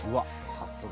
さすが。